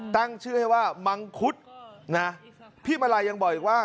ตั้งชื่อให้ว่ามังคุดนะพี่มาลัยยังบอกอีกว่า